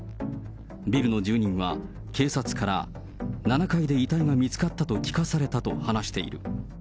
ビルの住人は、警察から７階で遺体が見つかったと聞かされたと話している。